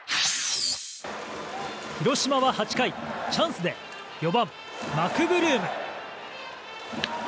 広島は８回、チャンスで４番、マクブルーム。